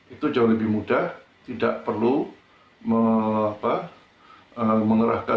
itu jauh lebih mudah tidak perlu mengerahkan